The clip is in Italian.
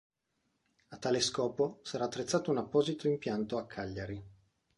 A tale scopo sarà attrezzato un apposito impianto a Cagliari.